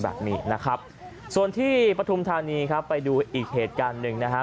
แบบนี้นะครับส่วนที่ปฐุมธานีครับไปดูอีกเหตุการณ์หนึ่งนะฮะ